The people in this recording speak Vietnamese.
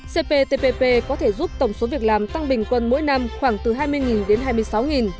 cptpp có thể giúp tổng số việc làm tăng bình quân mỗi năm khoảng từ hai mươi đến hai mươi sáu